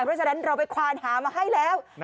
เพราะฉะนั้นเราไปควานหามาให้แล้ว